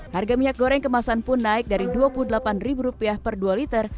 harga minyak goreng kemasan pun naik dari rp dua puluh delapan per dua liter